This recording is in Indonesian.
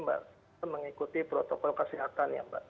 kita mengikuti protokol kesehatan ya mbak